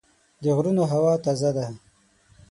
د غرونو هوا تازه ده.